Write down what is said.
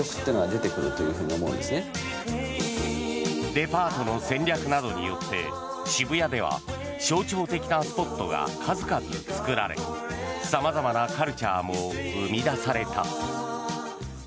デパートの戦略などによって渋谷では象徴的なスポットが数々作られ様々なカルチャーも生み出された。